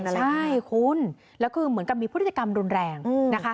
ใช่คุณแล้วคือเหมือนกับมีพฤติกรรมรุนแรงนะคะ